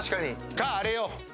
かあれよ